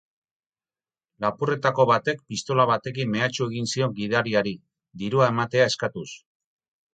Lapurretako batek pistola batekin mehatxu egin zion gidariari, dirua ematea eskatuz.